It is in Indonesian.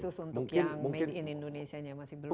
khusus untuk yang made in indonesia nya masih belum